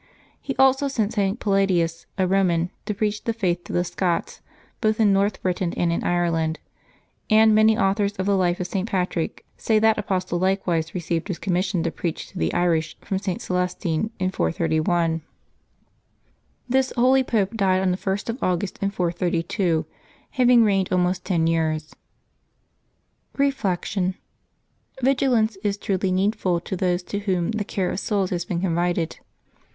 He also sent St. Pal ladius, a Roman, to preach the Faith to the Scots, both in North Britain and in Ireland, and many authors of the life of St. Patrick say that apostle likewise received his com mission to preach to the Irish from St. Celestine, in 431. 138 LIVES OF THE SAINTS [Apbil 7 This holy Pope died on the 1st of August, in 432, haying reigned almost ten years. Reflection. — Vigilance is truly needful to those to whom the care of souls has been confided.